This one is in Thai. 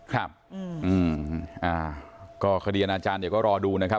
ครับอืมอ่าก็คดีอนาจารย์เดี๋ยวก็รอดูนะครับ